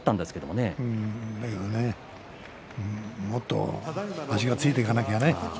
もっと足がついていかなきゃね